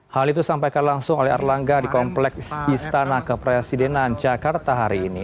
hal itu sampaikan langsung oleh erlangga di kompleks istana kepresidenan jakarta hari ini